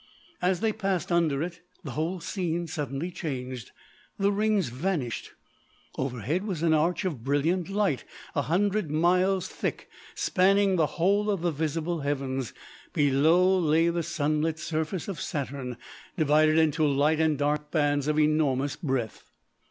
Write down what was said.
As they passed under it the whole scene suddenly changed. The rings vanished. Overhead was an arch of brilliant light a hundred miles thick, spanning the whole of the visible heavens. Below lay the sunlit surface of Saturn divided into light and dark bands of enormous breadth.